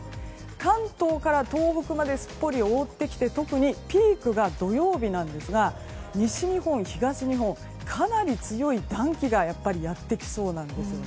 関東から東北まですっぽり覆ってきて特にピークが土曜日なんですが西日本、東日本かなり強い暖気がやっぱりやってきそうなんですね。